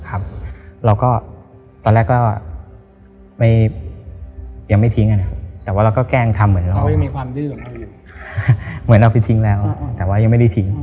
เราก็ตอนแรกก็ยังไม่ทิ้งแต่เราก็แกล้งทำเหมือนเอาไปทิ้งแล้วแต่ว่ายังไม่ทิ้ง